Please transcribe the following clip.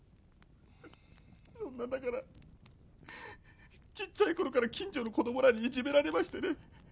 そんなだからちっちゃいころから近所の子供らにいじめられましてね。